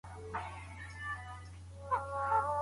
متلونه په خبرو کي نه هېریږي.